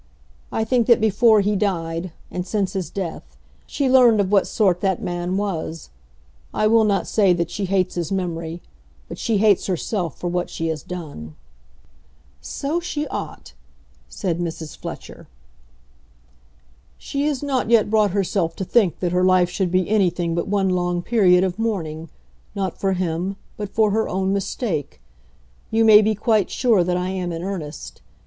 I think that before he died, and since his death, she learned of what sort that man was. I will not say that she hates his memory, but she hates herself for what she has done." "So she ought," said Mrs. Fletcher. "She has not yet brought herself to think that her life should be anything but one long period of mourning, not for him, but for her own mistake. You may be quite sure that I am in earnest.